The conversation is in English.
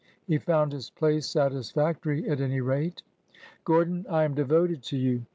" He found his place satisfactory, at any rate. " Gordon, I am devoted to you.